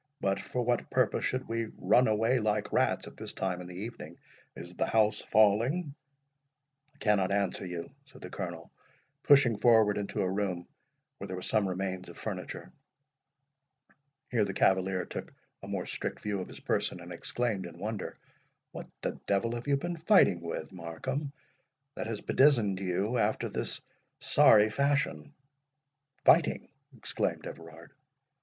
"But for what purpose should we run away, like rats, at this time in the evening?—Is the house falling?" "I cannot answer you," said the Colonel, pushing forward into a room where there were some remains of furniture. Here the cavalier took a more strict view of his person, and exclaimed in wonder, "What the devil have you been fighting with, Markham, that has bedizened you after this sorry fashion?" "Fighting!" exclaimed Everard.